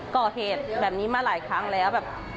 ก่อเทศแบบนี้มาหลายครั้งแล้ว